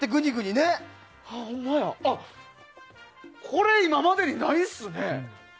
これ、今までにないっすね！